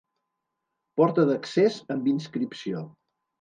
Porta d'accés amb inscripció.